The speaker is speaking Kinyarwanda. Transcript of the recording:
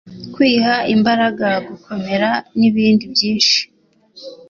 kwiha imbaraga gukomera nibindi byinshi